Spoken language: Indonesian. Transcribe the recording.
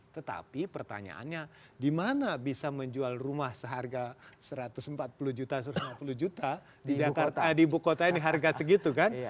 tetapi pertanyaannya di mana bisa menjual rumah seharga satu ratus empat puluh juta satu ratus lima puluh juta di ibu kota ini harga segitu kan